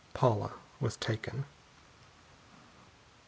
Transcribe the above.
Paula was taken.